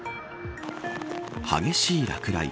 激しい落雷。